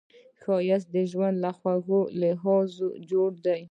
ښایست د ژوند له خوږو لحظو جوړ دی